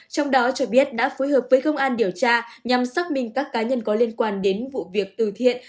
trong đó cho biết đã phối hợp với công an điều tra nhằm xác minh các cá nhân có liên quan đến vụ việc từ thiện